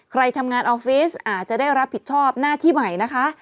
ใครทำงานออฟฟิศอาจจะได้รับผิดชอบหน้าที่ใหม่นะคะ